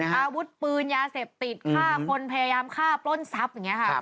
อาวุธปืนยาเสบติดฆ่าคนพยายามฆ่าปล้นทรัพย์